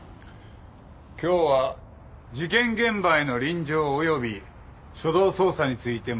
今日は事件現場への臨場および初動捜査について学んでもらう。